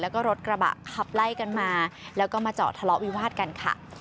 แล้วก็รถกระบะขับไล่กันมาแล้วก็มาจอดทะเลาะวิวาดกันค่ะ